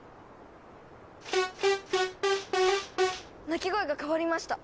鳴き声が変わりました。